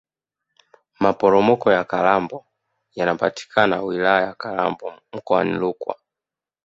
maporomoko ya kalambo yanapatikana wilaya ya kalambo mkoani rukwa